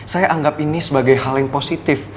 saya anggap ini sebagai hal yang positif